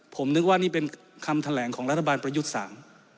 ผมนึกว่านี่เป็นคำแถลงของรัฐบาลประยุทธ์สาม